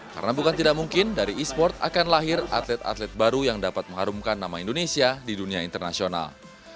karena bukan tidak mungkin dari e sport akan lahir atlet atlet baru yang dapat mengharumkan nama indonesia di dunia internasional